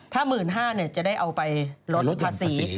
ถ้า๑๕๐๐บาทจะได้เอาไปลดภาษี